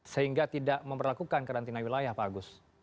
sehingga tidak memperlakukan karantina wilayah pak agus